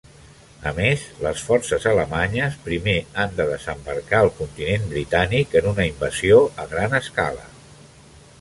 A més, les forces alemanyes primer han de desembarcar al continent britànic en una invasió a gran escala.